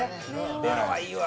ベロアいいわ。